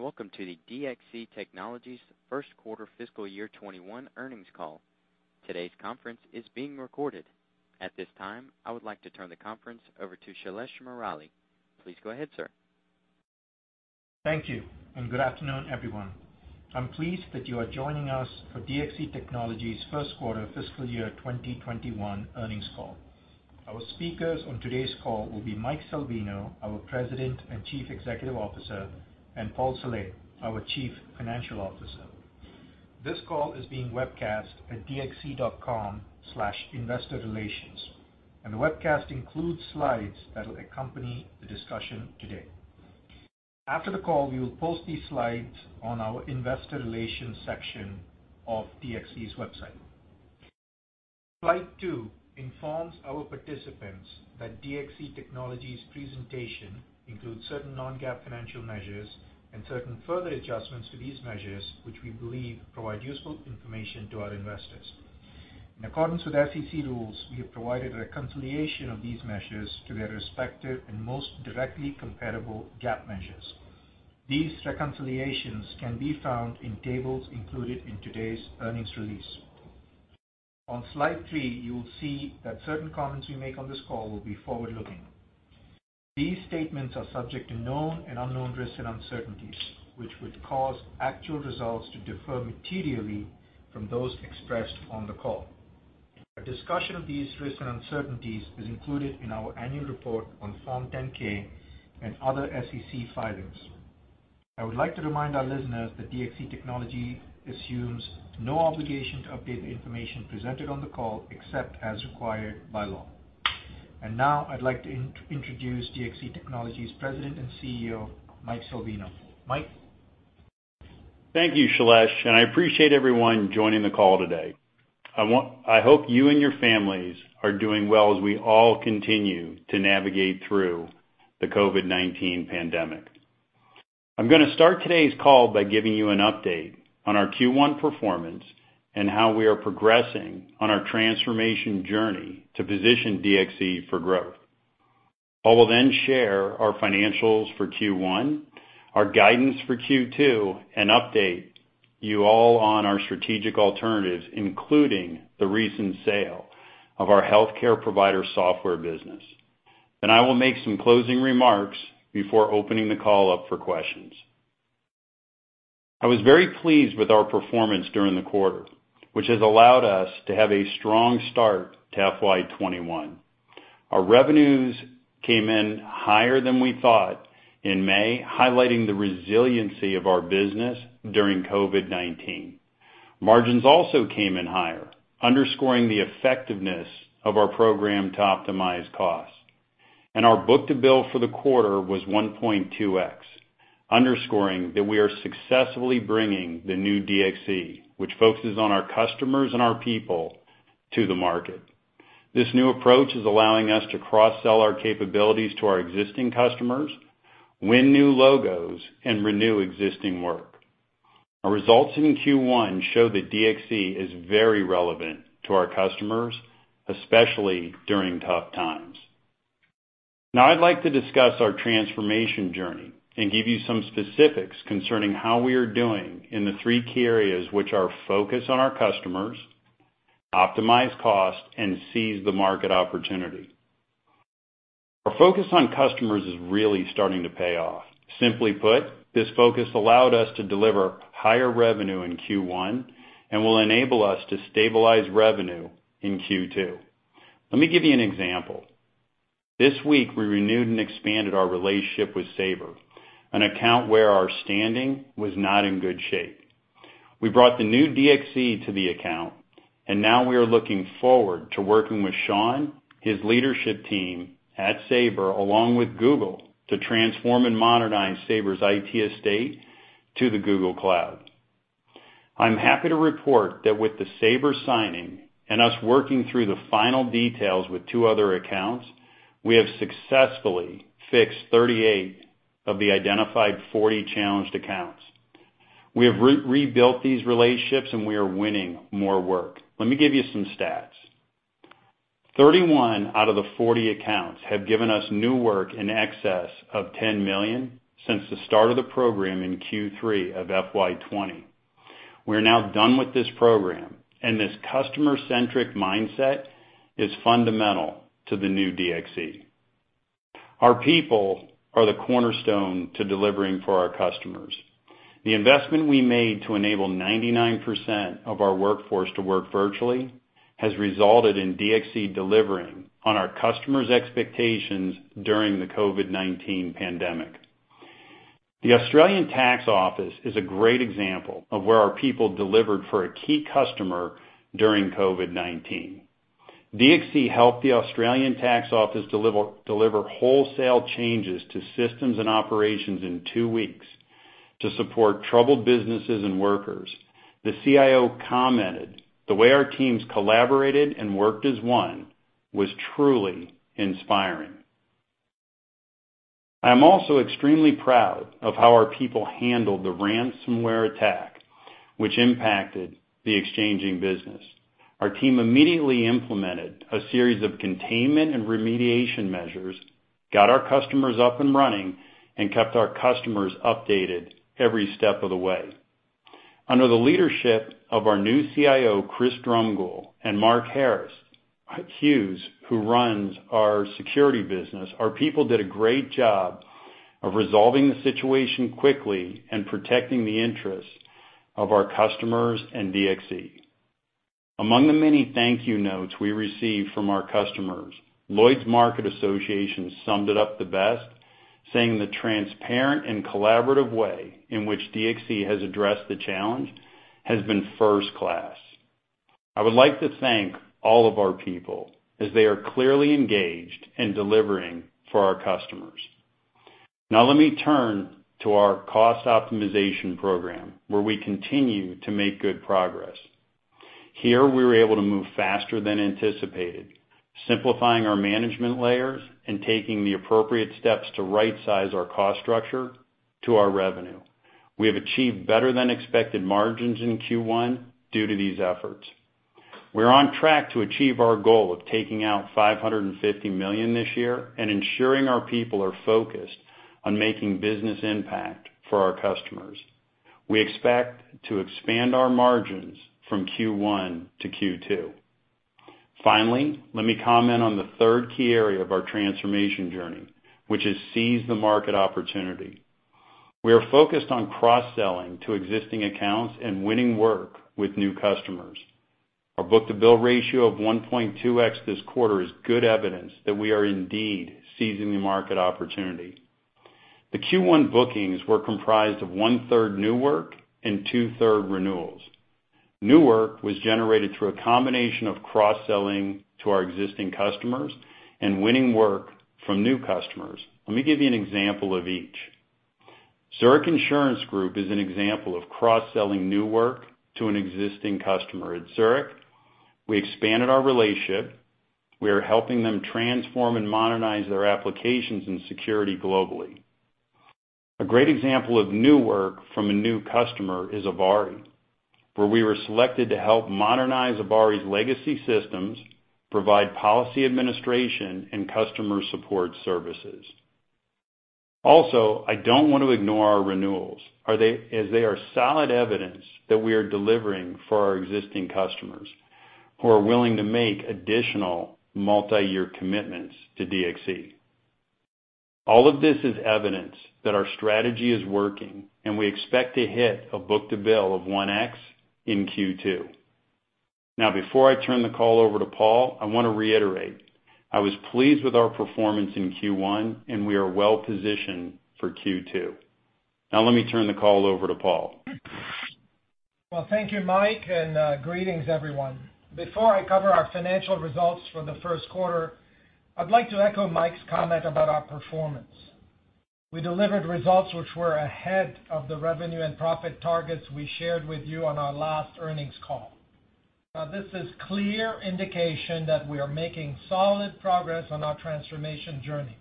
Good day, and welcome to the DXC Technology's first quarter fiscal year 2021 earnings call. Today's conference is being recorded. At this time, I would like to turn the conference over to Shailesh Murali. Please go ahead, sir. Thank you, and good afternoon, everyone. I'm pleased that you are joining us for DXC Technology's first quarter fiscal year 2021 earnings call. Our speakers on today's call will be Mike Salvino, our President and Chief Executive Officer, and Paul Saleh, our Chief Financial Officer. This call is being webcast at dxc.com/investorrelations, and the webcast includes slides that will accompany the discussion today. After the call, we will post these slides on our investor relations section of DXC's website. Slide two informs our participants that DXC Technology's presentation includes certain non-GAAP financial measures and certain further adjustments to these measures, which we believe provide useful information to our investors. In accordance with SEC rules, we have provided a reconciliation of these measures to their respective and most directly comparable GAAP measures. These reconciliations can be found in tables included in today's earnings release. On slide three, you will see that certain comments we make on this call will be forward-looking. These statements are subject to known and unknown risks and uncertainties, which would cause actual results to differ materially from those expressed on the call. A discussion of these risks and uncertainties is included in our annual report on Form 10-K and other SEC filings. I would like to remind our listeners that DXC Technology assumes no obligation to update the information presented on the call except as required by law. And now, I'd like to introduce DXC Technology's President and CEO, Mike Salvino. Mike. Thank you, Shailesh, and I appreciate everyone joining the call today. I hope you and your families are doing well as we all continue to navigate through the COVID-19 pandemic. I'm going to start today's call by giving you an update on our Q1 performance and how we are progressing on our transformation journey to position DXC for growth. I will then share our financials for Q1, our guidance for Q2, and update you all on our strategic alternatives, including the recent sale of our healthcare provider software business. Then I will make some closing remarks before opening the call up for questions. I was very pleased with our performance during the quarter, which has allowed us to have a strong start to FY21. Our revenues came in higher than we thought in May, highlighting the resiliency of our business during COVID-19. Margins also came in higher, underscoring the effectiveness of our program to optimize costs. And our book-to-bill for the quarter was 1.2X, underscoring that we are successfully bringing the new DXC, which focuses on our customers and our people, to the market. This new approach is allowing us to cross-sell our capabilities to our existing customers, win new logos, and renew existing work. Our results in Q1 show that DXC is very relevant to our customers, especially during tough times. Now, I'd like to discuss our transformation journey and give you some specifics concerning how we are doing in the three key areas which are focus on our customers, optimize cost, and seize the market opportunity. Our focus on customers is really starting to pay off. Simply put, this focus allowed us to deliver higher revenue in Q1 and will enable us to stabilize revenue in Q2. Let me give you an example. This week, we renewed and expanded our relationship with Sabre, an account where our standing was not in good shape. We brought the new DXC to the account, and now we are looking forward to working with Sean, his leadership team at Sabre, along with Google, to transform and modernize Sabre's IT estate to the Google Cloud. I'm happy to report that with the Sabre signing and us working through the final details with two other accounts, we have successfully fixed 38 of the identified 40 challenged accounts. We have rebuilt these relationships, and we are winning more work. Let me give you some stats. 31 out of the 40 accounts have given us new work in excess of $10 million since the start of the program in Q3 of FY 2020. We are now done with this program, and this customer-centric mindset is fundamental to the new DXC. Our people are the cornerstone to delivering for our customers. The investment we made to enable 99% of our workforce to work virtually has resulted in DXC delivering on our customers' expectations during the COVID-19 pandemic. The Australian Taxation Office is a great example of where our people delivered for a key customer during COVID-19. DXC helped the Australian Taxation Office deliver wholesale changes to systems and operations in two weeks to support troubled businesses and workers. The CIO commented, "The way our teams collaborated and worked as one was truly inspiring." I am also extremely proud of how our people handled the ransomware attack, which impacted the Xchanging business. Our team immediately implemented a series of containment and remediation measures, got our customers up and running, and kept our customers updated every step of the way. Under the leadership of our new CIO, Chris Drumgoole, and Mark Hughes, who runs our security business, our people did a great job of resolving the situation quickly and protecting the interests of our customers and DXC. Among the many thank-you notes we received from our customers, Lloyd's Market Association summed it up the best, saying the transparent and collaborative way in which DXC has addressed the challenge has been first-class. I would like to thank all of our people as they are clearly engaged and delivering for our customers. Now, let me turn to our cost optimization program, where we continue to make good progress. Here, we were able to move faster than anticipated, simplifying our management layers and taking the appropriate steps to right-size our cost structure to our revenue. We have achieved better-than-expected margins in Q1 due to these efforts. We are on track to achieve our goal of taking out $550 million this year and ensuring our people are focused on making business impact for our customers. We expect to expand our margins from Q1 to Q2. Finally, let me comment on the third key area of our transformation journey, which is seize the market opportunity. We are focused on cross-selling to existing accounts and winning work with new customers. Our book-to-bill ratio of 1.2x this quarter is good evidence that we are indeed seizing the market opportunity. The Q1 bookings were comprised of one-third new work and two-thirds renewals. New work was generated through a combination of cross-selling to our existing customers and winning work from new customers. Let me give you an example of each. Zurich Insurance Group is an example of cross-selling new work to an existing customer at Zurich. We expanded our relationship. We are helping them transform and modernize their applications and security globally. A great example of new work from a new customer is Aviva, where we were selected to help modernize Aviva's legacy systems, provide policy administration, and customer support services. Also, I don't want to ignore our renewals, as they are solid evidence that we are delivering for our existing customers who are willing to make additional multi-year commitments to DXC. All of this is evidence that our strategy is working, and we expect to hit a book-to-bill of 1X in Q2. Now, before I turn the call over to Paul, I want to reiterate, I was pleased with our performance in Q1, and we are well-positioned for Q2. Now, let me turn the call over to Paul. Thank you, Mike, and greetings, everyone. Before I cover our financial results for the first quarter, I'd like to echo Mike's comment about our performance. We delivered results which were ahead of the revenue and profit targets we shared with you on our last earnings call. Now, this is a clear indication that we are making solid progress on our transformation journey.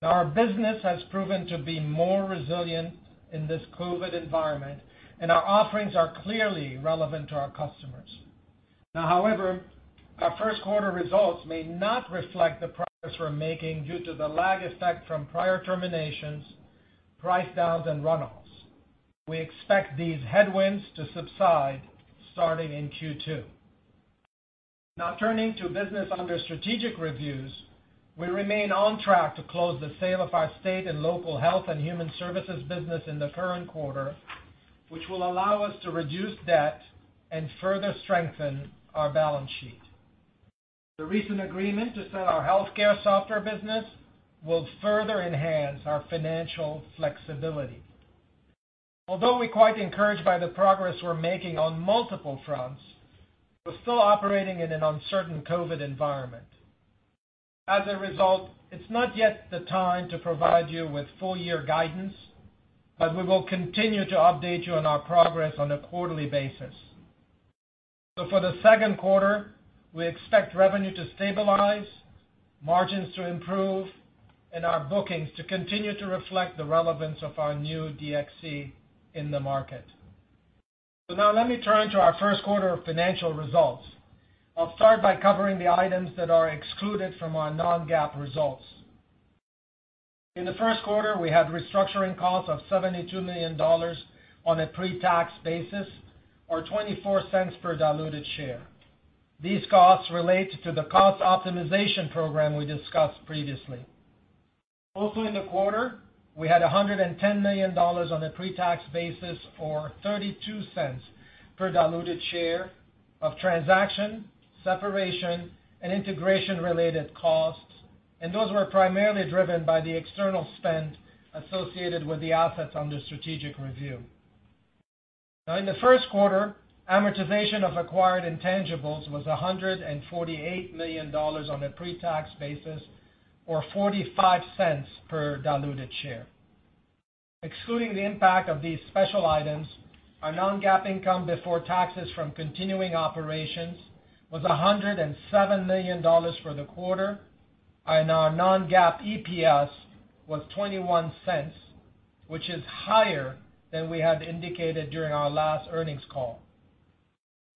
Our business has proven to be more resilient in this COVID environment, and our offerings are clearly relevant to our customers. Now, however, our first-quarter results may not reflect the progress we're making due to the lag effect from prior terminations, price downs, and runoffs. We expect these headwinds to subside starting in Q2. Now, turning to business under strategic reviews, we remain on track to close the sale of our state and local health and human services business in the current quarter, which will allow us to reduce debt and further strengthen our balance sheet. The recent agreement to sell our healthcare software business will further enhance our financial flexibility. Although we're quite encouraged by the progress we're making on multiple fronts, we're still operating in an uncertain COVID environment. As a result, it's not yet the time to provide you with full-year guidance, but we will continue to update you on our progress on a quarterly basis. So, for the second quarter, we expect revenue to stabilize, margins to improve, and our bookings to continue to reflect the relevance of our new DXC in the market. So now, let me turn to our first quarter financial results. I'll start by covering the items that are excluded from our non-GAAP results. In the first quarter, we had restructuring costs of $72 million on a pre-tax basis or $0.24 per diluted share. These costs relate to the cost optimization program we discussed previously. Also, in the quarter, we had $110 million on a pre-tax basis or $0.32 per diluted share of transaction, separation, and integration-related costs, and those were primarily driven by the external spend associated with the assets under strategic review. Now, in the first quarter, amortization of acquired intangibles was $148 million on a pre-tax basis or $0.45 per diluted share. Excluding the impact of these special items, our non-GAAP income before taxes from continuing operations was $107 million for the quarter, and our non-GAAP EPS was $0.21, which is higher than we had indicated during our last earnings call.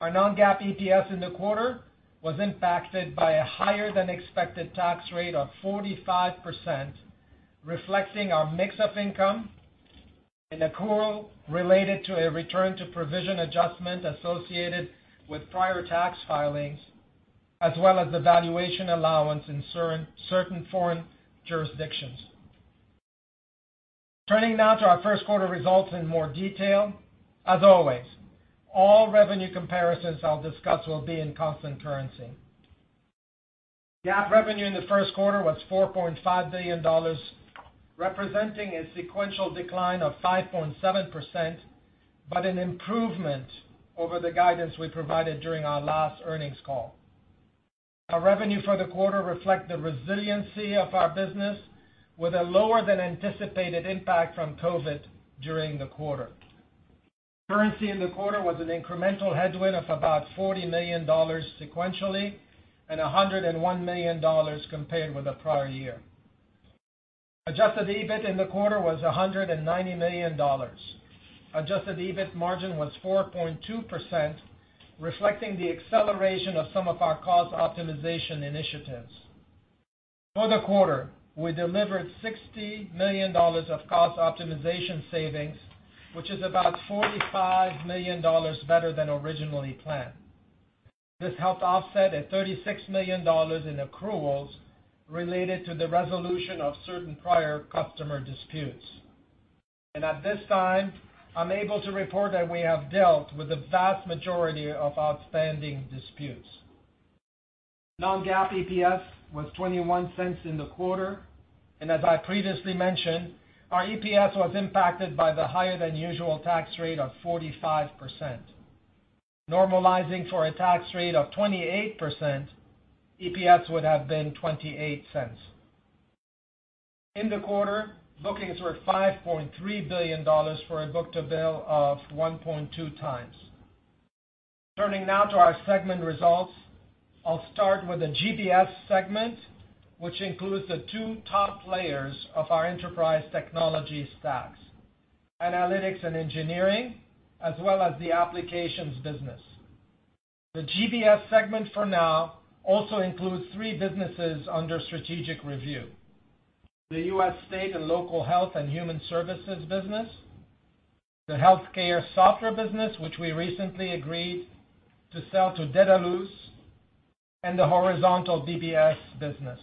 Our non-GAAP EPS in the quarter was impacted by a higher-than-expected tax rate of 45%, reflecting our mix of income and accrual related to a return-to-provision adjustment associated with prior tax filings, as well as the valuation allowance in certain foreign jurisdictions. Turning now to our first-quarter results in more detail, as always, all revenue comparisons I'll discuss will be in constant currency. GAAP revenue in the first quarter was $4.5 billion, representing a sequential decline of 5.7%, but an improvement over the guidance we provided during our last earnings call. Our revenue for the quarter reflects the resiliency of our business, with a lower-than-anticipated impact from COVID during the quarter. Currency in the quarter was an incremental headwind of about $40 million sequentially and $101 million compared with the prior year. Adjusted EBIT in the quarter was $190 million. Adjusted EBIT margin was 4.2%, reflecting the acceleration of some of our cost optimization initiatives. For the quarter, we delivered $60 million of cost optimization savings, which is about $45 million better than originally planned. This helped offset $36 million in accruals related to the resolution of certain prior customer disputes, and at this time, I'm able to report that we have dealt with the vast majority of outstanding disputes. Non-GAAP EPS was $0.21 in the quarter, and as I previously mentioned, our EPS was impacted by the higher-than-usual tax rate of 45%. Normalizing for a tax rate of 28%, EPS would have been $0.28. In the quarter, bookings were $5.3 billion for a book-to-bill of 1.2 times. Turning now to our segment results, I'll start with the GBS segment, which includes the two top layers of our enterprise technology stacks: analytics and engineering, as well as the applications business. The GBS segment for now also includes three businesses under strategic review: the U.S. state and local health and human services business, the healthcare software business, which we recently agreed to sell to Dedalus, and the horizontal BPS business.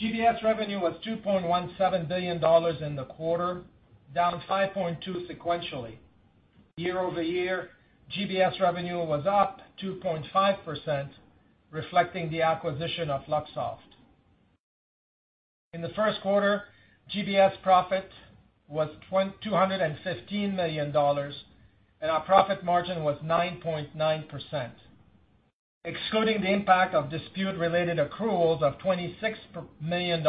GBS revenue was $2.17 billion in the quarter, down 5.2% sequentially. Year over year, GBS revenue was up 2.5%, reflecting the acquisition of Luxoft. In the first quarter, GBS profit was $215 million, and our profit margin was 9.9%. Excluding the impact of dispute-related accruals of $26 million,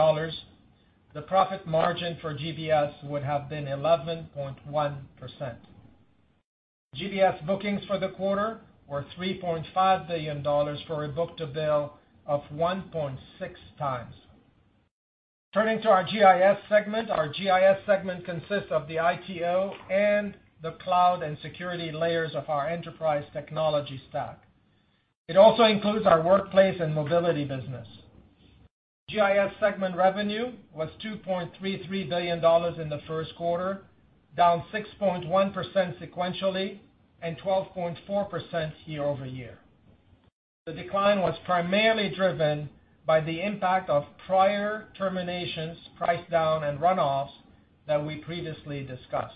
the profit margin for GBS would have been 11.1%. GBS bookings for the quarter were $3.5 billion for a book-to-bill of 1.6 times. Turning to our GIS segment, our GIS segment consists of the ITO and the cloud and security layers of our Enterprise Technology Stack. It also includes our Workplace and Mobility business. GIS segment revenue was $2.33 billion in the first quarter, down 6.1% sequentially and 12.4% year over year. The decline was primarily driven by the impact of prior terminations, price downs, and runoffs that we previously discussed.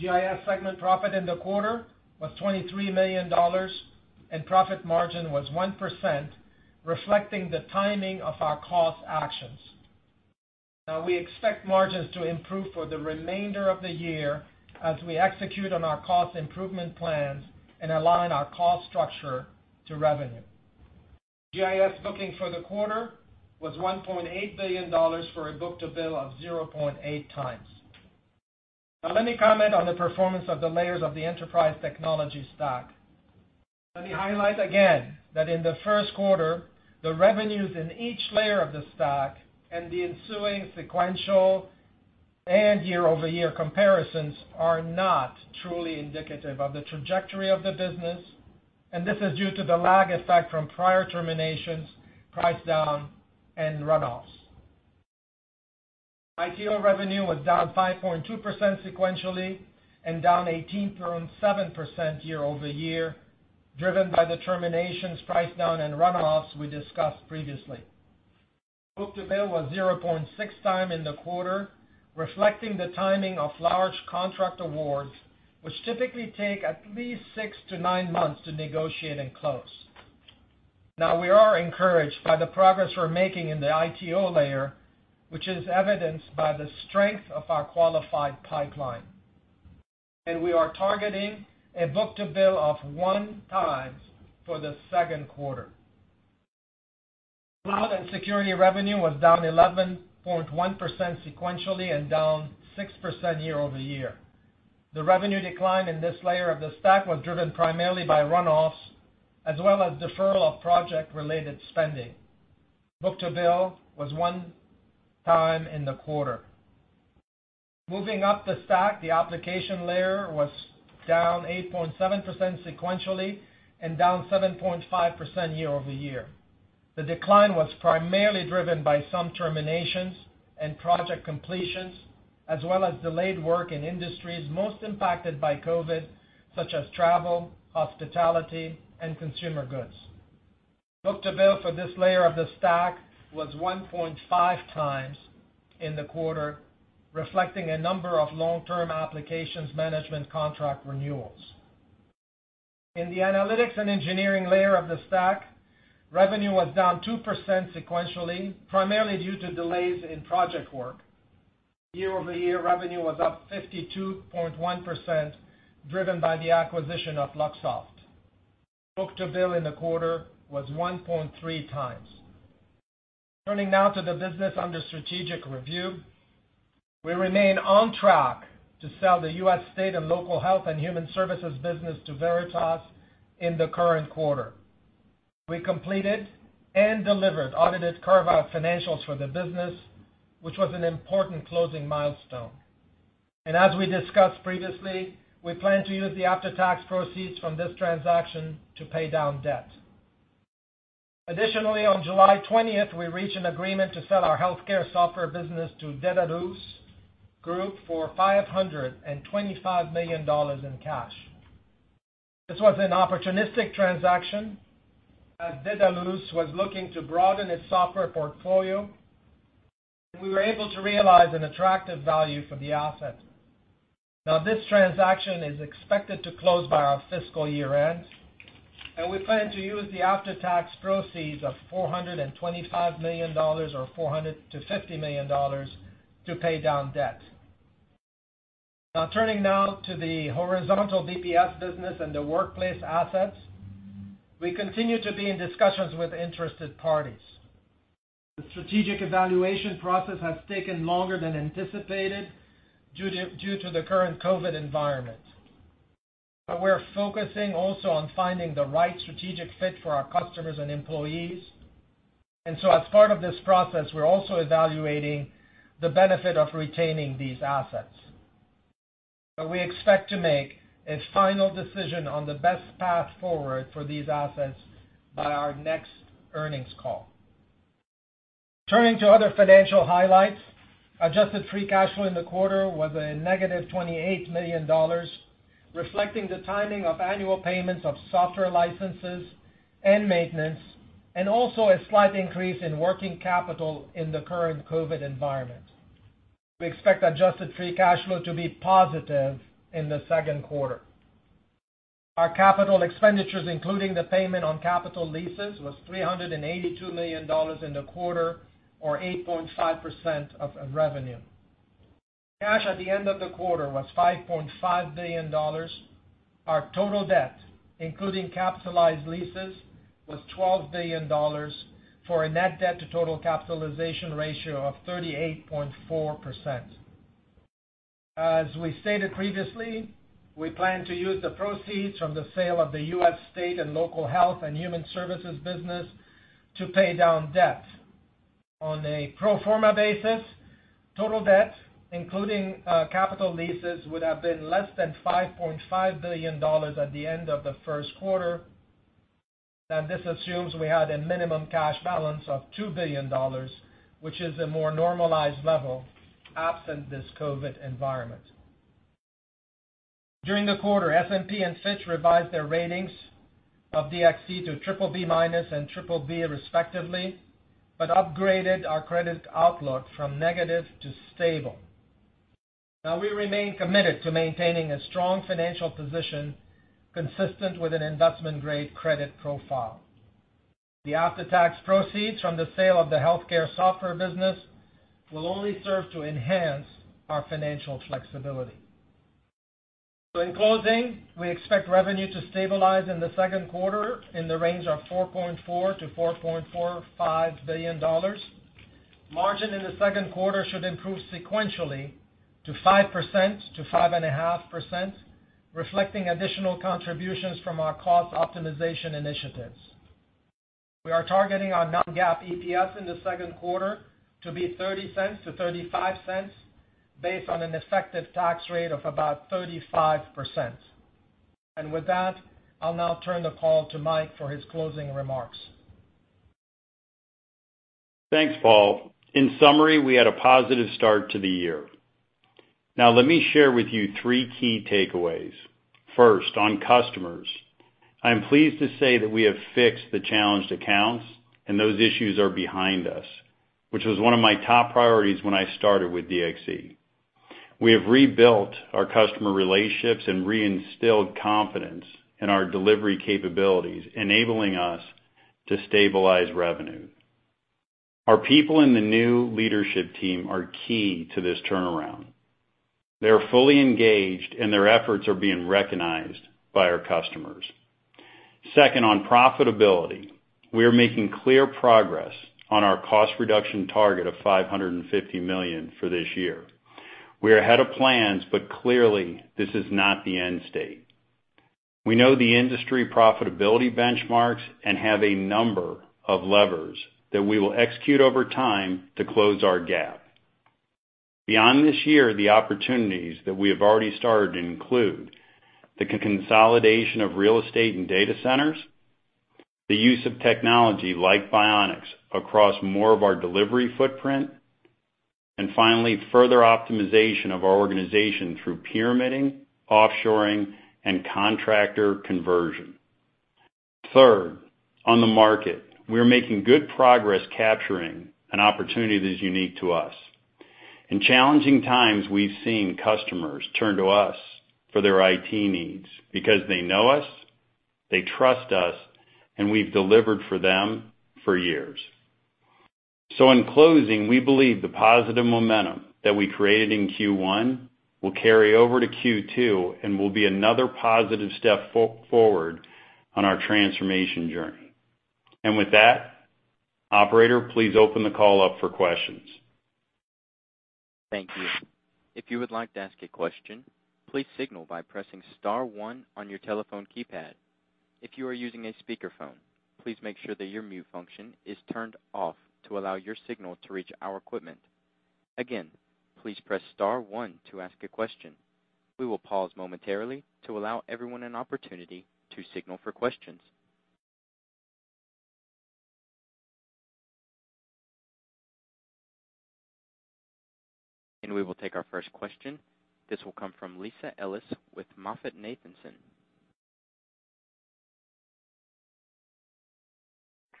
GIS segment profit in the quarter was $23 million, and profit margin was 1%, reflecting the timing of our cost actions. Now, we expect margins to improve for the remainder of the year as we execute on our cost improvement plans and align our cost structure to revenue. GIS booking for the quarter was $1.8 billion for a book-to-bill of 0.8 times. Now, let me comment on the performance of the layers of the Enterprise Technology Stack. Let me highlight again that in the first quarter, the revenues in each layer of the stack and the ensuing sequential and year-over-year comparisons are not truly indicative of the trajectory of the business, and this is due to the lag effect from prior terminations, price downs, and runoffs. ITO revenue was down 5.2% sequentially and down 18.7% year-over-year, driven by the terminations, price downs, and runoffs we discussed previously. Book-to-bill was 0.6 times in the quarter, reflecting the timing of large contract awards, which typically take at least six to nine months to negotiate and close. Now, we are encouraged by the progress we're making in the ITO layer, which is evidenced by the strength of our qualified pipeline, and we are targeting a book-to-bill of one times for the second quarter. Cloud and Security revenue was down 11.1% sequentially and down 6% year-over-year. The revenue decline in this layer of the stack was driven primarily by runoffs as well as deferral of project-related spending. Book-to-bill was one time in the quarter. Moving up the stack, the application layer was down 8.7% sequentially and down 7.5% year-over-year. The decline was primarily driven by some terminations and project completions, as well as delayed work in industries most impacted by COVID-19, such as travel, hospitality, and consumer goods. Book-to-bill for this layer of the stack was 1.5 times in the quarter, reflecting a number of long-term applications management contract renewals. In the Analytics and Engineering layer of the stack, revenue was down 2% sequentially, primarily due to delays in project work. Year-over-year revenue was up 52.1%, driven by the acquisition of Luxoft. Book-to-bill in the quarter was 1.3 times. Turning now to the business under strategic review, we remain on track to sell the U.S. state and local health and human services business to Veritas Capital in the current quarter. We completed and delivered audited carve-out financials for the business, which was an important closing milestone, and as we discussed previously, we plan to use the after-tax proceeds from this transaction to pay down debt. Additionally, on July 20th, we reached an agreement to sell our healthcare software business to Dedalus Group for $525 million in cash. This was an opportunistic transaction as Dedalus Group was looking to broaden its software portfolio, and we were able to realize an attractive value for the asset. Now, this transaction is expected to close by our fiscal year-end, and we plan to use the after-tax proceeds of $425 million or $450 million to pay down debt. Now, turning now to the horizontal BPS business and the workplace assets, we continue to be in discussions with interested parties. The strategic evaluation process has taken longer than anticipated due to the current COVID environment. We're focusing also on finding the right strategic fit for our customers and employees. And so, as part of this process, we're also evaluating the benefit of retaining these assets. But we expect to make a final decision on the best path forward for these assets by our next earnings call. Turning to other financial highlights, adjusted free cash flow in the quarter was a negative $28 million, reflecting the timing of annual payments of software licenses and maintenance, and also a slight increase in working capital in the current COVID environment. We expect adjusted free cash flow to be positive in the second quarter. Our capital expenditures, including the payment on capital leases, was $382 million in the quarter, or 8.5% of revenue. Cash at the end of the quarter was $5.5 billion. Our total debt, including capitalized leases, was $12 billion, for a net debt-to-total capitalization ratio of 38.4%. As we stated previously, we plan to use the proceeds from the sale of the U.S. state and local health and human services business to pay down debt. On a pro forma basis, total debt, including capital leases, would have been less than $5.5 billion at the end of the first quarter. Now, this assumes we had a minimum cash balance of $2 billion, which is a more normalized level absent this COVID environment. During the quarter, S&P and Fitch revised their ratings of DXC to BBB minus and BBB, respectively, but upgraded our credit outlook from negative to stable. Now, we remain committed to maintaining a strong financial position consistent with an investment-grade credit profile. The after-tax proceeds from the sale of the healthcare software business will only serve to enhance our financial flexibility. In closing, we expect revenue to stabilize in the second quarter in the range of $4.4 - $4.45 billion. Margin in the second quarter should improve sequentially to 5% - 5.5%, reflecting additional contributions from our cost optimization initiatives. We are targeting our non-GAAP EPS in the second quarter to be $0.30 - $0.35, based on an effective tax rate of about 35%. And with that, I'll now turn the call to Mike for his closing remarks. Thanks, Paul. In summary, we had a positive start to the year. Now, let me share with you three key takeaways. First, on customers, I am pleased to say that we have fixed the challenged accounts, and those issues are behind us, which was one of my top priorities when I started with DXC. We have rebuilt our customer relationships and reinstilled confidence in our delivery capabilities, enabling us to stabilize revenue. Our people in the new leadership team are key to this turnaround. They are fully engaged, and their efforts are being recognized by our customers. Second, on profitability, we are making clear progress on our cost reduction target of $550 million for this year. We are ahead of plans, but clearly, this is not the end state. We know the industry profitability benchmarks and have a number of levers that we will execute over time to close our gap. Beyond this year, the opportunities that we have already started include the consolidation of real estate and data centers, the use of technology like Bionix across more of our delivery footprint, and finally, further optimization of our organization through pyramiding, offshoring, and contractor conversion. Third, on the market, we are making good progress capturing an opportunity that is unique to us. In challenging times, we've seen customers turn to us for their IT needs because they know us, they trust us, and we've delivered for them for years. So, in closing, we believe the positive momentum that we created in Q1 will carry over to Q2 and will be another positive step forward on our transformation journey. And with that, Operator, please open the call up for questions. Thank you. If you would like to ask a question, please signal by pressing Star 1 on your telephone keypad. If you are using a speakerphone, please make sure that your mute function is turned off to allow your signal to reach our equipment. Again, please press Star 1 to ask a question. We will pause momentarily to allow everyone an opportunity to signal for questions. And we will take our first question. This will come from Lisa Ellis with MoffettNathanson.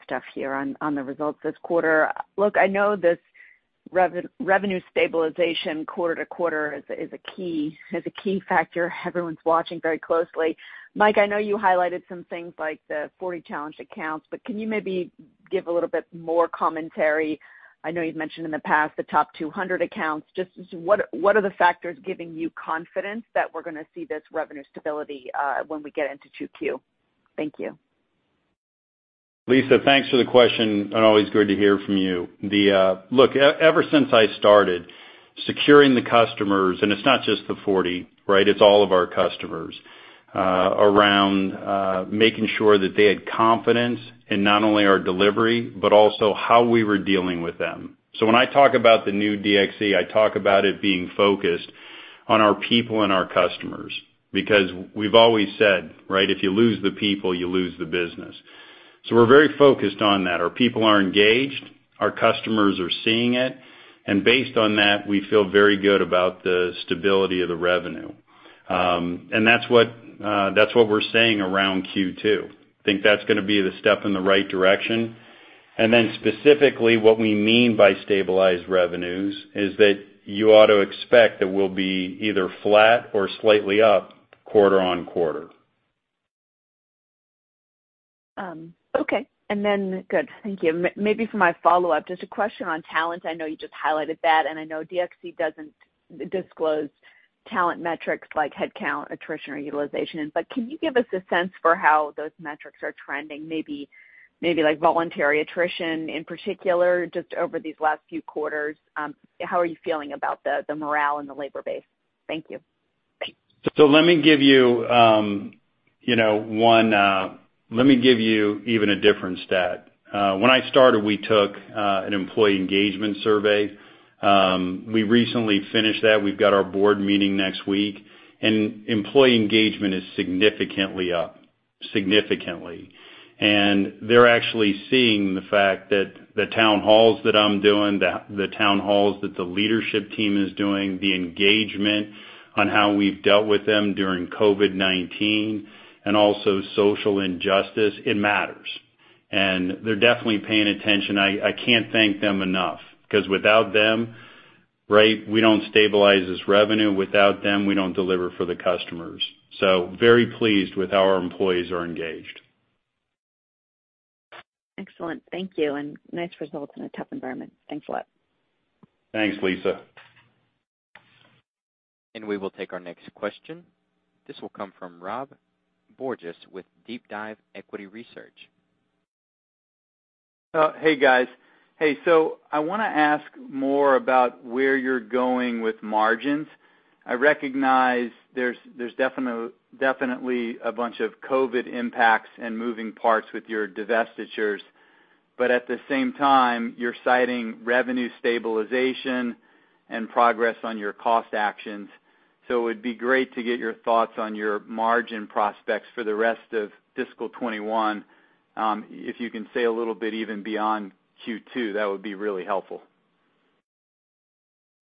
Stuff here on the results this quarter. Look, I know this revenue stabilization quarter to quarter is a key factor. Everyone's watching very closely. Mike, I know you highlighted some things like the 40 challenged accounts, but can you maybe give a little bit more commentary? I know you've mentioned in the past the top 200 accounts. Just what are the factors giving you confidence that we're going to see this revenue stability when we get into Q2? Thank you. Lisa, thanks for the question. And always good to hear from you. Look, ever since I started securing the customers, and it's not just the 40, right? It's all of our customers, around making sure that they had confidence in not only our delivery but also how we were dealing with them. So when I talk about the new DXC, I talk about it being focused on our people and our customers because we've always said, right? If you lose the people, you lose the business. So we're very focused on that. Our people are engaged. Our customers are seeing it. And based on that, we feel very good about the stability of the revenue. And that's what we're saying around Q2. I think that's going to be the step in the right direction. Specifically, what we mean by stabilized revenues is that you ought to expect that we'll be either flat or slightly up quarter on quarter. Okay. And then good. Thank you. Maybe for my follow-up, just a question on talent. I know you just highlighted that, and I know DXC doesn't disclose talent metrics like headcount, attrition, or utilization. But can you give us a sense for how those metrics are trending, maybe voluntary attrition in particular, just over these last few quarters? How are you feeling about the morale in the labor base? Thank you. So let me give you one. Let me give you even a different stat. When I started, we took an employee engagement survey. We recently finished that. We've got our board meeting next week. And employee engagement is significantly up, significantly. And they're actually seeing the fact that the town halls that I'm doing, the town halls that the leadership team is doing, the engagement on how we've dealt with them during COVID-19, and also social injustice. It matters. And they're definitely paying attention. I can't thank them enough because without them, right? We don't stabilize this revenue. Without them, we don't deliver for the customers. So very pleased with how our employees are engaged. Excellent. Thank you and nice results in a tough environment. Thanks a lot. Thanks, Lisa. We will take our next question. This will come from Rod Bourgeois with DeepDive Equity Research. Hey, guys. Hey, so I want to ask more about where you're going with margins. I recognize there's definitely a bunch of COVID impacts and moving parts with your divestitures. But at the same time, you're citing revenue stabilization and progress on your cost actions. So it would be great to get your thoughts on your margin prospects for the rest of fiscal 2021. If you can say a little bit even beyond Q2, that would be really helpful.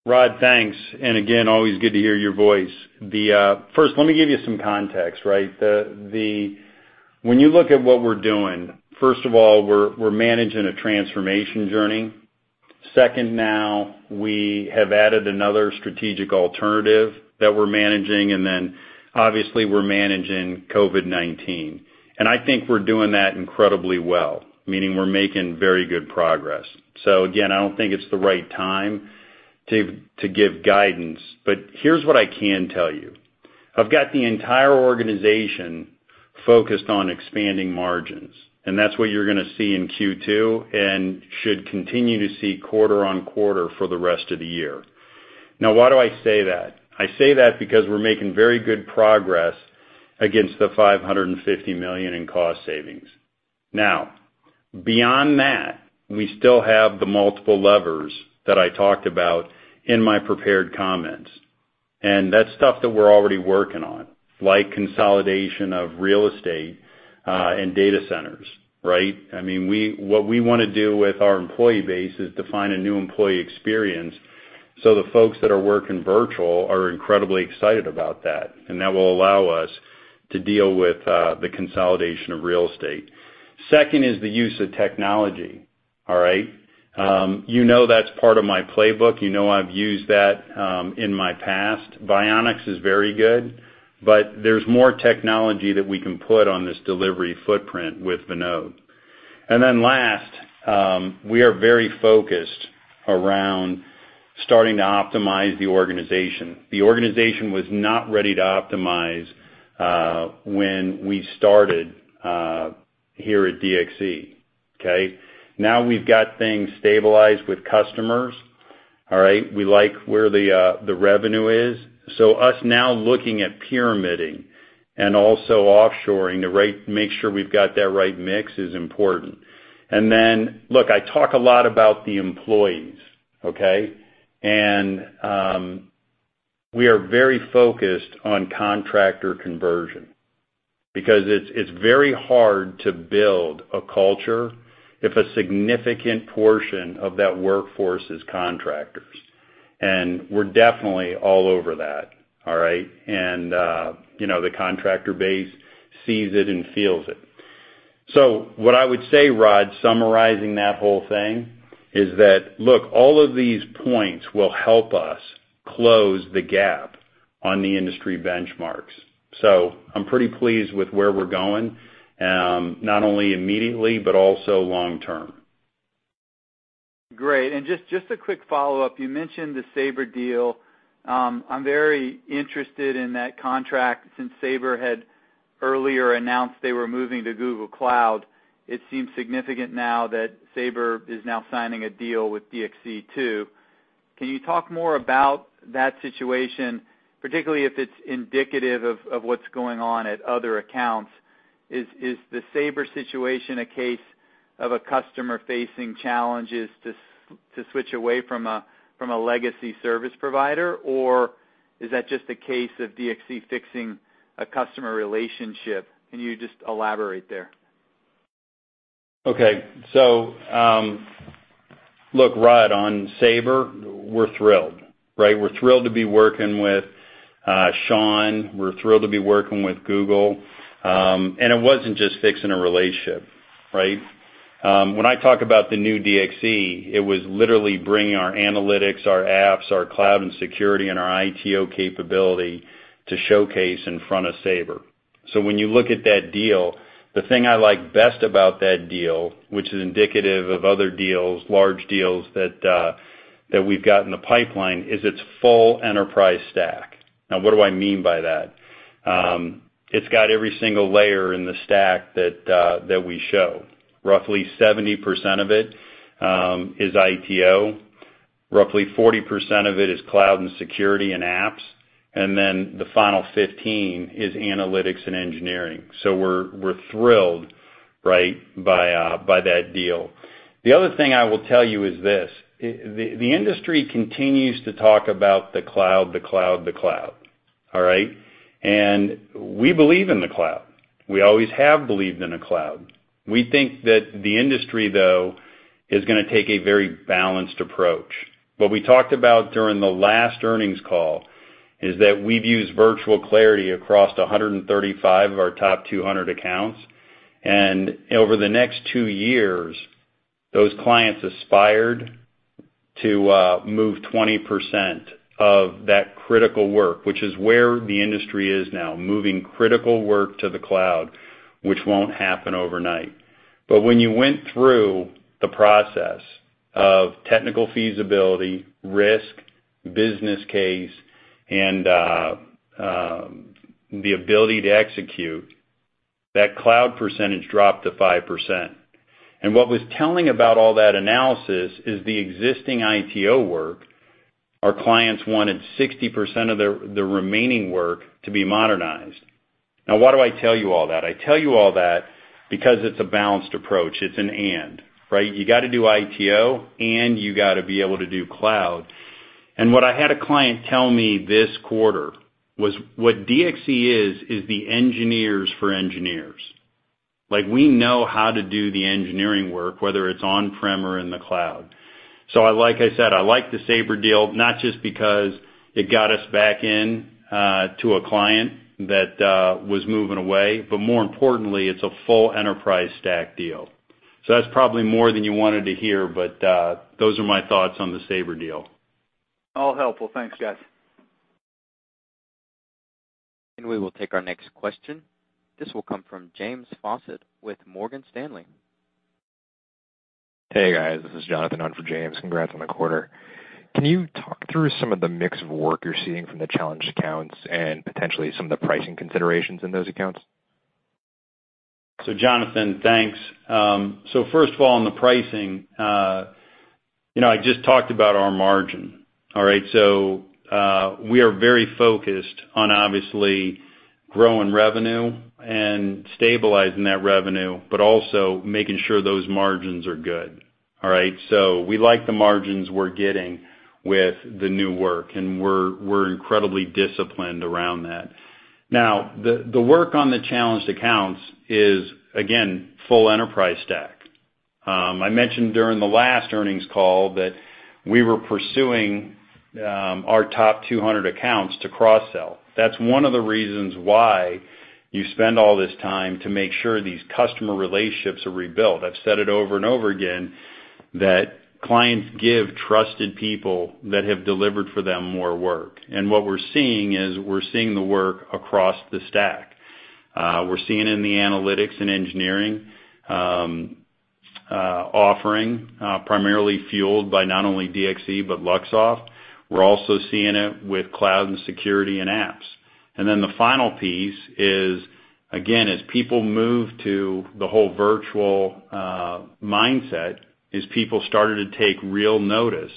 Rod, thanks. And again, always good to hear your voice. First, let me give you some context, right? When you look at what we're doing, first of all, we're managing a transformation journey. Second, now we have added another strategic alternative that we're managing. And then, obviously, we're managing COVID-19. And I think we're doing that incredibly well, meaning we're making very good progress. So again, I don't think it's the right time to give guidance. But here's what I can tell you. I've got the entire organization focused on expanding margins. And that's what you're going to see in Q2 and should continue to see quarter on quarter for the rest of the year. Now, why do I say that? I say that because we're making very good progress against the $550 million in cost savings. Now, beyond that, we still have the multiple levers that I talked about in my prepared comments. And that's stuff that we're already working on, like consolidation of real estate and data centers, right? I mean, what we want to do with our employee base is define a new employee experience so the folks that are working virtual are incredibly excited about that. And that will allow us to deal with the consolidation of real estate. Second is the use of technology, all right? You know that's part of my playbook. You know I've used that in my past. Bionix is very good. But there's more technology that we can put on this delivery footprint with Vinod. And then last, we are very focused around starting to optimize the organization. The organization was not ready to optimize when we started here at DXC, okay? Now we've got things stabilized with customers, all right? We like where the revenue is. So us now looking at pyramiding and also offshoring to make sure we've got that right mix is important. And then, look, I talk a lot about the employees, okay? And we are very focused on contractor conversion because it's very hard to build a culture if a significant portion of that workforce is contractors. And we're definitely all over that, all right? And the contractor base sees it and feels it. So what I would say, Rod, summarizing that whole thing, is that, look, all of these points will help us close the gap on the industry benchmarks. So I'm pretty pleased with where we're going, not only immediately but also long term. Great. And just a quick follow-up. You mentioned the Sabre deal. I'm very interested in that contract since Sabre had earlier announced they were moving to Google Cloud. It seems significant now that Sabre is now signing a deal with DXC too. Can you talk more about that situation, particularly if it's indicative of what's going on at other accounts? Is the Sabre situation a case of a customer facing challenges to switch away from a legacy service provider, or is that just a case of DXC fixing a customer relationship? Can you just elaborate there? Okay. So look, Rod, on Sabre, we're thrilled, right? We're thrilled to be working with Sean. We're thrilled to be working with Google. And it wasn't just fixing a relationship, right? When I talk about the new DXC, it was literally bringing our analytics, our apps, our cloud and security, and our ITO capability to showcase in front of Sabre. So when you look at that deal, the thing I like best about that deal, which is indicative of other deals, large deals that we've got in the pipeline, is it's full enterprise stack. Now, what do I mean by that? It's got every single layer in the stack that we show. Roughly 70% of it is ITO. Roughly 40% of it is cloud and security and apps. And then the final 15% is analytics and engineering. So we're thrilled, right, by that deal. The other thing I will tell you is this: the industry continues to talk about the cloud, the cloud, the cloud, all right? And we believe in the cloud. We always have believed in the cloud. We think that the industry, though, is going to take a very balanced approach. What we talked about during the last earnings call is that we've used Virtual Clarity across 135 of our top 200 accounts. And over the next two years, those clients aspired to move 20% of that critical work, which is where the industry is now, moving critical work to the cloud, which won't happen overnight. But when you went through the process of technical feasibility, risk, business case, and the ability to execute, that cloud percentage dropped to 5%. And what was telling about all that analysis is the existing ITO work. Our clients wanted 60% of the remaining work to be modernized. Now, why do I tell you all that? I tell you all that because it's a balanced approach. It's an and, right? You got to do ITO, and you got to be able to do cloud. And what I had a client tell me this quarter was what DXC is, is the engineers for engineers. We know how to do the engineering work, whether it's on-prem or in the cloud. So like I said, I like the Sabre deal, not just because it got us back into a client that was moving away, but more importantly, it's a full enterprise stack deal. So that's probably more than you wanted to hear, but those are my thoughts on the Sabre deal. All helpful. Thanks, guys. We will take our next question. This will come from James Faucette with Morgan Stanley. Hey, guys. This is Jonathan Hunter for James. Congrats on the quarter. Can you talk through some of the mix of work you're seeing from the challenged accounts and potentially some of the pricing considerations in those accounts? Jonathan, thanks. First of all, on the pricing, I just talked about our margin, all right? We are very focused on, obviously, growing revenue and stabilizing that revenue, but also making sure those margins are good, all right? We like the margins we're getting with the new work, and we're incredibly disciplined around that. Now, the work on the challenged accounts is, again, full enterprise stack. I mentioned during the last earnings call that we were pursuing our top 200 accounts to cross-sell. That's one of the reasons why you spend all this time to make sure these customer relationships are rebuilt. I've said it over and over again that clients give trusted people that have delivered for them more work. And what we're seeing is we're seeing the work across the stack. We're seeing it in the analytics and engineering offering, primarily fueled by not only DXC but Luxoft. We're also seeing it with cloud and security and apps. And then the final piece is, again, as people move to the whole virtual mindset, is people started to take real notice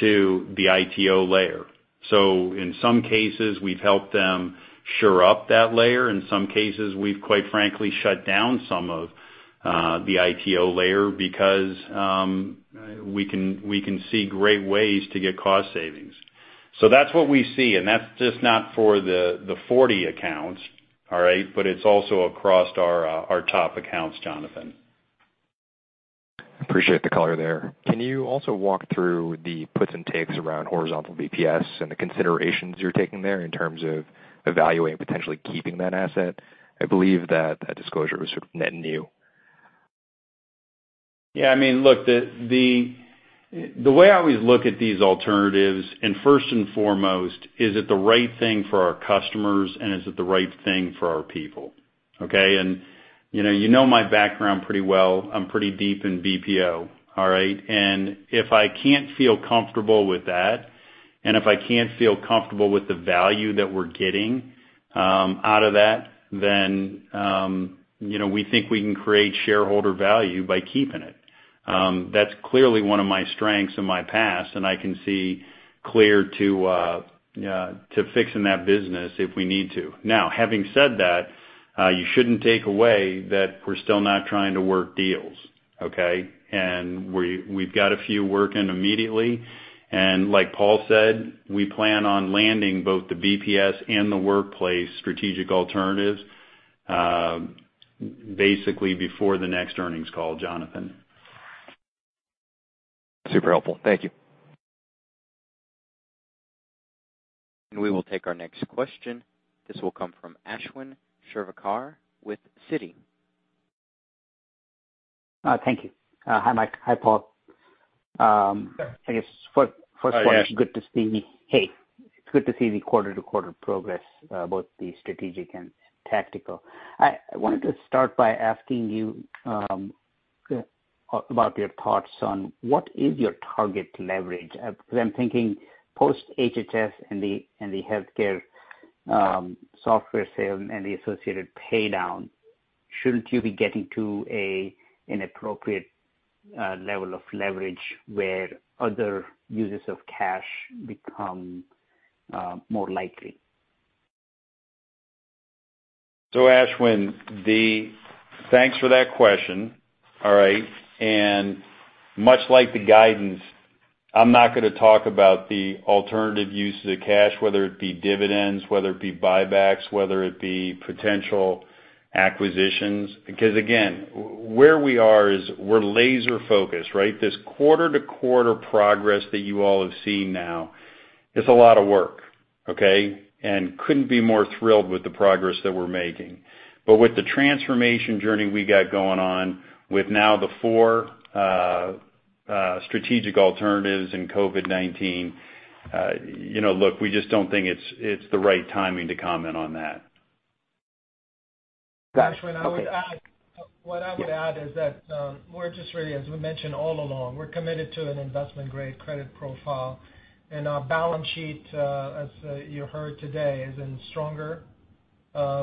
to the ITO layer. So in some cases, we've helped them shore up that layer. In some cases, we've, quite frankly, shut down some of the ITO layer because we can see great ways to get cost savings. So that's what we see. And that's just not for the 40 accounts, all right? But it's also across our top accounts, Jonathan. Appreciate the color there. Can you also walk through the puts and takes around horizontal BPS and the considerations you're taking there in terms of evaluating potentially keeping that asset? I believe that that disclosure was sort of net new. Yeah. I mean, look, the way I always look at these alternatives, and first and foremost, is it the right thing for our customers, and is it the right thing for our people, okay? You know my background pretty well. I'm pretty deep in BPO, all right? And if I can't feel comfortable with that, and if I can't feel comfortable with the value that we're getting out of that, then we think we can create shareholder value by keeping it. That's clearly one of my strengths in my past, and I can see clear to fixing that business if we need to. Now, having said that, you shouldn't take away that we're still not trying to work deals, okay? We've got a few working immediately. Like Paul said, we plan on landing both the BPS and the workplace strategic alternatives basically before the next earnings call, Jonathan. Super helpful. Thank you. We will take our next question. This will come from Ashwin Shirvaikar with Citi. Thank you. Hi, Mike. Hi, Paul. I guess first of all, it's good to see, hey, it's good to see the quarter-to-quarter progress, both the strategic and tactical. I wanted to start by asking you about your thoughts on what is your target leverage? Because I'm thinking post-HHS and the healthcare software sale and the associated paydown, shouldn't you be getting to an appropriate level of leverage where other uses of cash become more likely? So Ashwin, thanks for that question, all right? And much like the guidance, I'm not going to talk about the alternative use of the cash, whether it be dividends, whether it be buybacks, whether it be potential acquisitions. Because again, where we are is we're laser-focused, right? This quarter-to-quarter progress that you all have seen now, it's a lot of work, okay? And couldn't be more thrilled with the progress that we're making. But with the transformation journey we got going on with now the four strategic alternatives and COVID-19, look, we just don't think it's the right timing to comment on that. Ashwin, what I would add is that we're just really, as we mentioned all along, we're committed to an investment-grade credit profile. And our balance sheet, as you heard today, is stronger.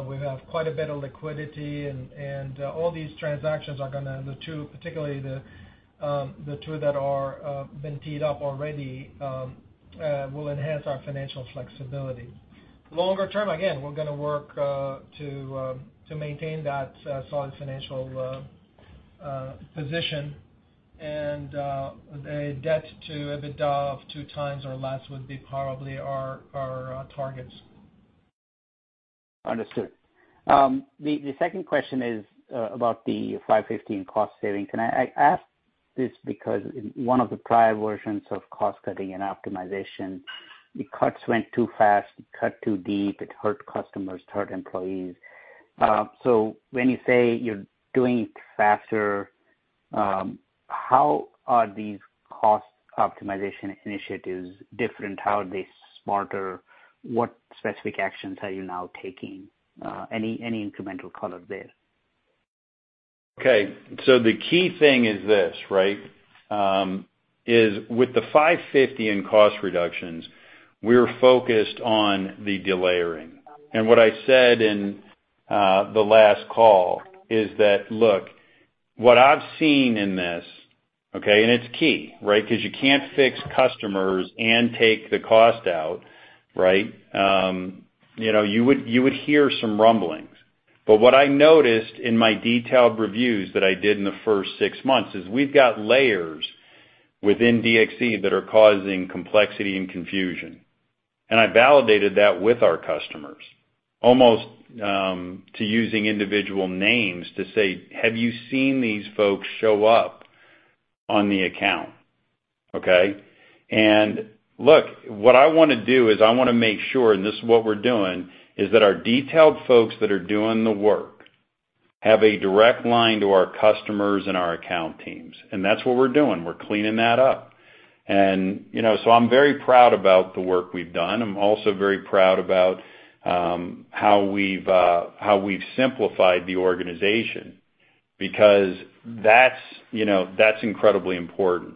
We have quite a bit of liquidity. And all these transactions are going to, particularly the two that have been teed up already, will enhance our financial flexibility. Longer term, again, we're going to work to maintain that solid financial position. And a debt to EBITDA of two times or less would be probably our targets. Understood. The second question is about the 515 cost saving. Can I ask this? Because in one of the prior versions of cost-cutting and optimization, the cuts went too fast. It cut too deep. It hurt customers, hurt employees. So when you say you're doing it faster, how are these cost optimization initiatives different? How are they smarter? What specific actions are you now taking? Any incremental color there? Okay. So the key thing is this, right? With the 550 and cost reductions, we're focused on the delayering. And what I said in the last call is that, look, what I've seen in this, okay? And it's key, right? Because you can't fix customers and take the cost out, right? You would hear some rumblings. But what I noticed in my detailed reviews that I did in the first six months is we've got layers within DXC that are causing complexity and confusion. And I validated that with our customers, almost to using individual names to say, "Have you seen these folks show up on the account?" Okay? And look, what I want to do is I want to make sure, and this is what we're doing, is that our detailed folks that are doing the work have a direct line to our customers and our account teams. That's what we're doing. We're cleaning that up. And so I'm very proud about the work we've done. I'm also very proud about how we've simplified the organization because that's incredibly important.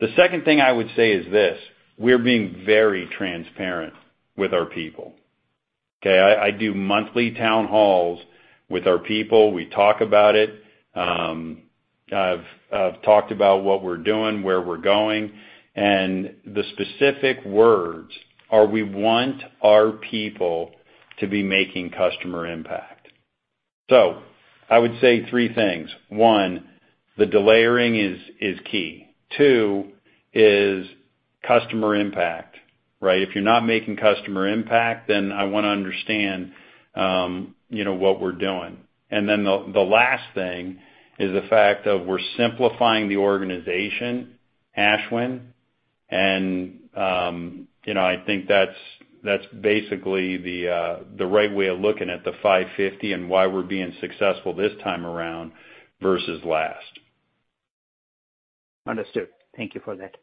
The second thing I would say is this: we're being very transparent with our people. Okay? I do monthly town halls with our people. We talk about it. I've talked about what we're doing, where we're going. And the specific words are we want our people to be making customer impact. So I would say three things. One, the delayering is key. Two is customer impact, right? If you're not making customer impact, then I want to understand what we're doing. And then the last thing is the fact that we're simplifying the organization, Ashwin. I think that's basically the right way of looking at the 550 and why we're being successful this time around versus last. Understood. Thank you for that.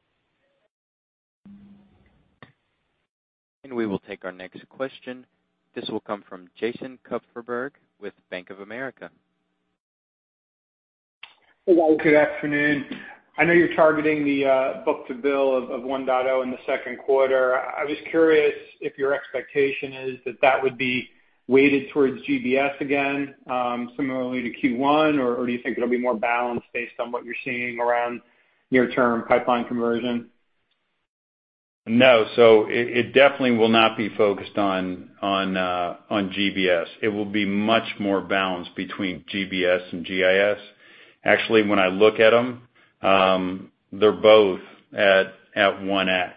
We will take our next question. This will come from Jason Kupferberg with Bank of America. Good afternoon. I know you're targeting the book-to-bill of 1.0 in the second quarter. I was curious if your expectation is that that would be weighted towards GBS again, similarly to Q1, or do you think it'll be more balanced based on what you're seeing around near-term pipeline conversion? No. So it definitely will not be focused on GBS. It will be much more balanced between GBS and GIS. Actually, when I look at them, they're both at 1X.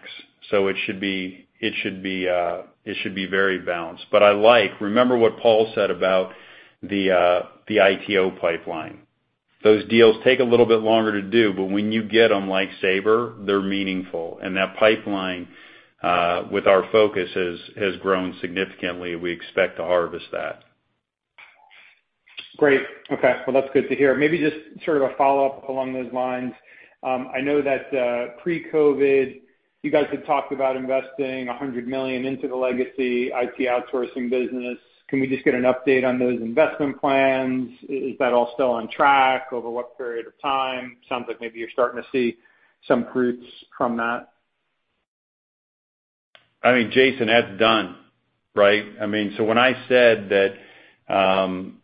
So it should be very balanced. But I like, remember what Paul said about the ITO pipeline. Those deals take a little bit longer to do, but when you get them like Sabre, they're meaningful. And that pipeline, with our focus, has grown significantly. We expect to harvest that. Great. Okay. Well, that's good to hear. Maybe just sort of a follow-up along those lines. I know that pre-COVID, you guys had talked about investing $100 million into the legacy IT outsourcing business. Can we just get an update on those investment plans? Is that all still on track over what period of time? Sounds like maybe you're starting to see some fruits from that. I mean, Jason, that's done, right? I mean, so when I said that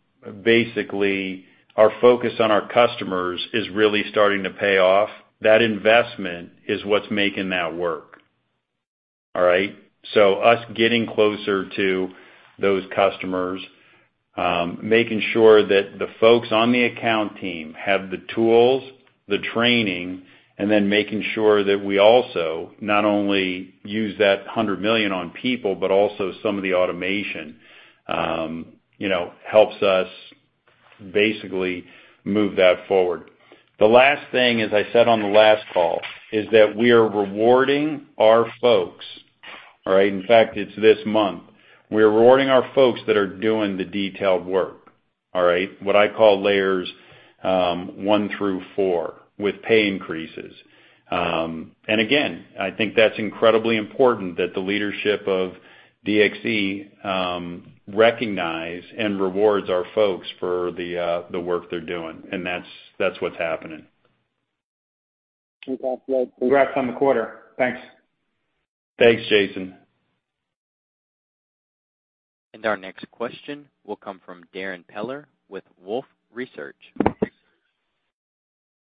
basically our focus on our customers is really starting to pay off, that investment is what's making that work, all right? So us getting closer to those customers, making sure that the folks on the account team have the tools, the training, and then making sure that we also not only use that $100 million on people, but also some of the automation helps us basically move that forward. The last thing, as I said on the last call, is that we are rewarding our folks, all right? In fact, it's this month. We are rewarding our folks that are doing the detailed work, all right? What I call layers one through four with pay increases. And again, I think that's incredibly important that the leadership of DXC recognize and reward our folks for the work they're doing. And that's what's happening. Congrats on the quarter. Thanks. Thanks, Jason. Our next question will come from Darrin Peller with Wolfe Research.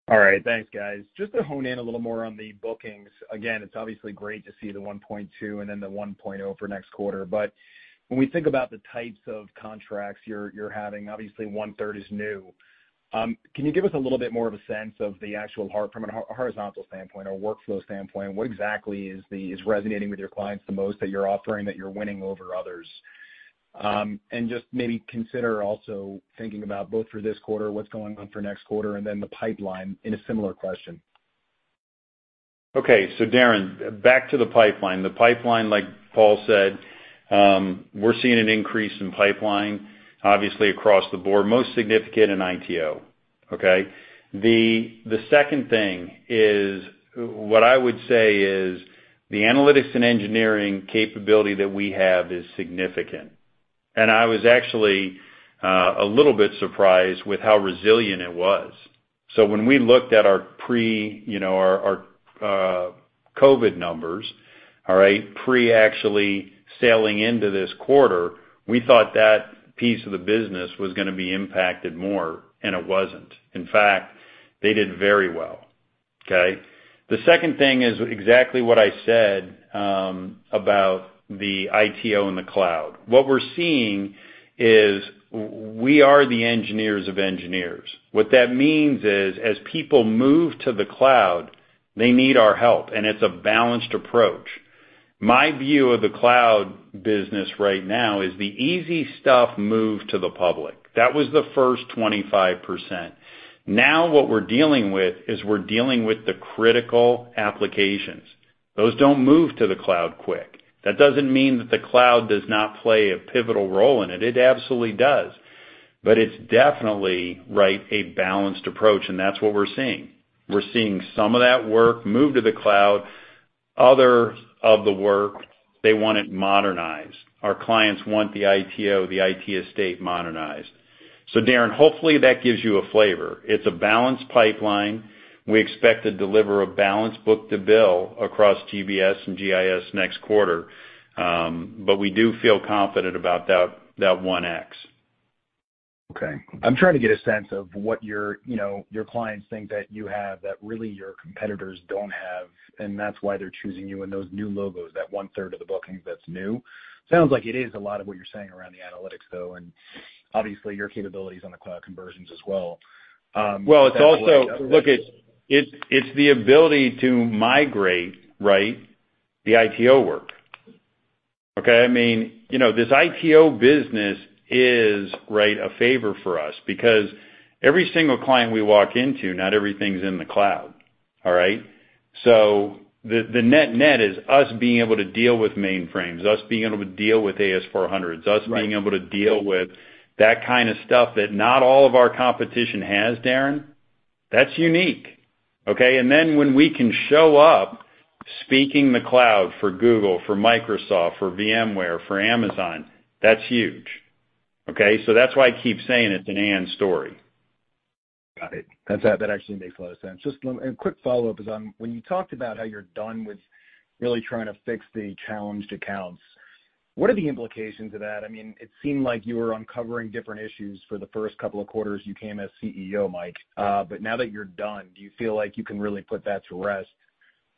All right. Thanks, guys. Just to hone in a little more on the bookings. Again, it's obviously great to see the 1.2 and then the 1.0 for next quarter. But when we think about the types of contracts you're having, obviously, one-third is new. Can you give us a little bit more of a sense of the actual heart from a horizontal standpoint or workflow standpoint? What exactly is resonating with your clients the most that you're offering that you're winning over others? And just maybe consider also thinking about both for this quarter, what's going on for next quarter, and then the pipeline in a similar question. Okay. So Darrin, back to the pipeline. The pipeline, like Paul said, we're seeing an increase in pipeline, obviously, across the board, most significant in ITO, okay? The second thing is what I would say is the analytics and engineering capability that we have is significant. And I was actually a little bit surprised with how resilient it was. So when we looked at our pre-COVID numbers, all right, pre-actually sailing into this quarter, we thought that piece of the business was going to be impacted more, and it wasn't. In fact, they did very well, okay? The second thing is exactly what I said about the ITO and the cloud. What we're seeing is we are the engineers of engineers. What that means is as people move to the cloud, they need our help. And it's a balanced approach. My view of the cloud business right now is the easy stuff moved to the public. That was the first 25%. Now what we're dealing with is the critical applications. Those don't move to the cloud quick. That doesn't mean that the cloud does not play a pivotal role in it. It absolutely does. But it's definitely right, a balanced approach, and that's what we're seeing. We're seeing some of that work moved to the cloud. Other of the work, they want it modernized. Our clients want the ITO, the IT estate modernized. So Darrin, hopefully that gives you a flavor. It's a balanced pipeline. We expect to deliver a balanced book-to-bill across GBS and GIS next quarter, but we do feel confident about that 1X. Okay. I'm trying to get a sense of what your clients think that you have that really your competitors don't have. That's why they're choosing you in those new logos, that one-third of the bookings that's new. Sounds like it is a lot of what you're saying around the analytics, though. And obviously, your capabilities on the cloud conversions as well. Well, it's also. Look, it's the ability to migrate, right, the ITO work. Okay? I mean, this ITO business is, right, a favor for us because every single client we walk into, not everything's in the cloud, all right? So the net-net is us being able to deal with mainframes, us being able to deal with AS/400s, us being able to deal with that kind of stuff that not all of our competition has, Darrin. That's unique. Okay? And then when we can show up speaking the cloud for Google, for Microsoft, for VMware, for Amazon, that's huge. Okay? So that's why I keep saying it's an and story. Got it. That actually makes a lot of sense. Just a quick follow-up is on when you talked about how you're done with really trying to fix the challenged accounts, what are the implications of that? I mean, it seemed like you were uncovering different issues for the first couple of quarters you came as CEO, Mike. But now that you're done, do you feel like you can really put that to rest?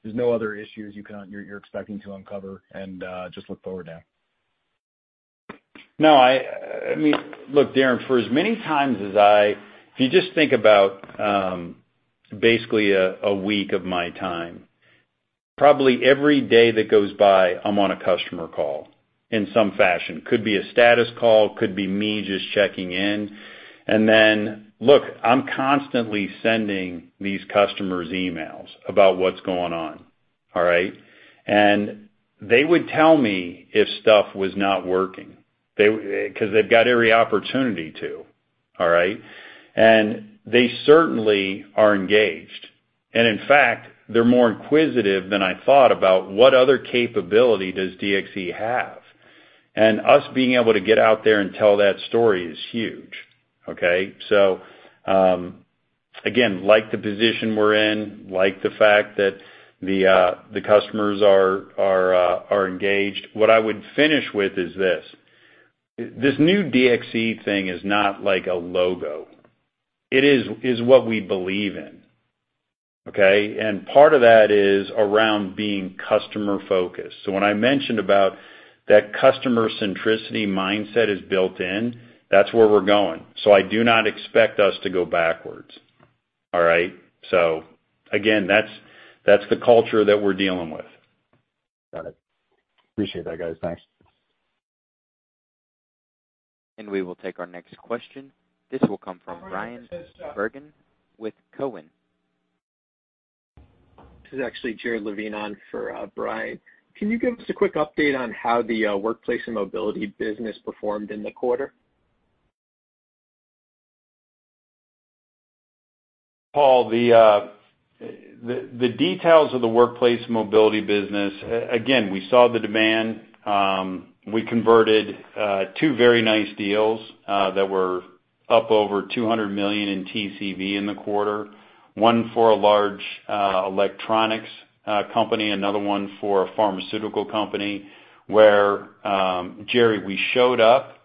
There's no other issues you're expecting to uncover and just look forward now? No. I mean, look, Darrin, for as many times as I—if you just think about basically a week of my time, probably every day that goes by, I'm on a customer call in some fashion. Could be a status call. Could be me just checking in. And then, look, I'm constantly sending these customers emails about what's going on, all right? And they would tell me if stuff was not working because they've got every opportunity to, all right? And they certainly are engaged. And in fact, they're more inquisitive than I thought about what other capability does DXC have. And us being able to get out there and tell that story is huge. Okay? So again, like the position we're in, like the fact that the customers are engaged, what I would finish with is this. This new DXC thing is not like a logo. It is what we believe in. Okay? And part of that is around being customer-focused. So when I mentioned about that customer-centricity mindset is built-in, that's where we're going. So I do not expect us to go backwards, all right? So again, that's the culture that we're dealing with. Got it. Appreciate that, guys. Thanks. And we will take our next question. This will come from Bryan Bergin with Cowen. This is actually Jared Levine on for Bryan. Can you give us a quick update on how the Workplace and Mobility business performed in the quarter? Paul, the details of the Workplace and Mobility business, again, we saw the demand. We converted two very nice deals that were up over $200 million in TCV in the quarter. One for a large electronics company, another one for a pharmaceutical company where, Jared, we showed up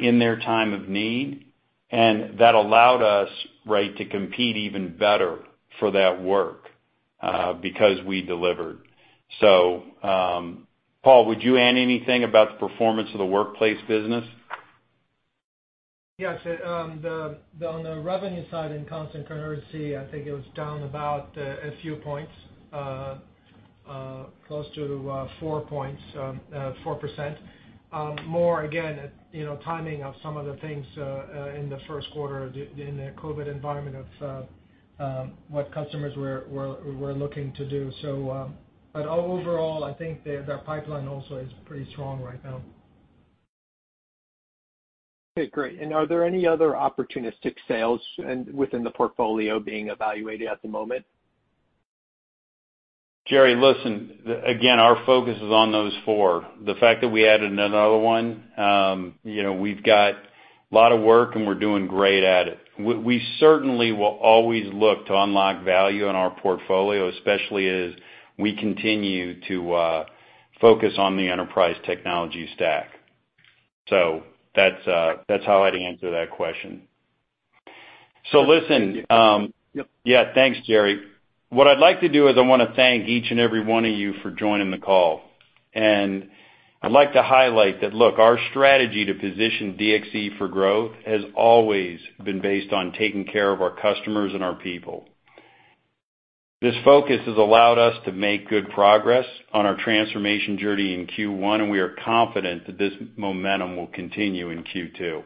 in their time of need. And that allowed us, right, to compete even better for that work because we delivered. So Paul, would you add anything about the performance of the workplace business? Yes. On the revenue side in constant currency, I think it was down about a few points, close to 4 points, 4%. More, again, timing of some of the things in the first quarter in the COVID environment of what customers were looking to do. But overall, I think that pipeline also is pretty strong right now. Okay. Great. And are there any other opportunistic sales within the portfolio being evaluated at the moment? Jared, listen, again, our focus is on those four. The fact that we added another one, we've got a lot of work, and we're doing great at it. We certainly will always look to unlock value in our portfolio, especially as we continue to focus on the enterprise technology stack. So that's how I'd answer that question. So listen. Yeah. Yeah. Thanks, Jared. What I'd like to do is I want to thank each and every one of you for joining the call. And I'd like to highlight that, look, our strategy to position DXC for growth has always been based on taking care of our customers and our people. This focus has allowed us to make good progress on our transformation journey in Q1, and we are confident that this momentum will continue in Q2.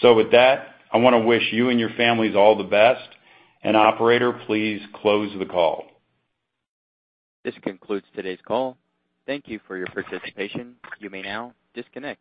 So with that, I want to wish you and your families all the best. And operator, please close the call. This concludes today's call. Thank you for your participation. You may now disconnect.